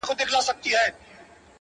په ورځ کي سل ځلي ځارېدله؛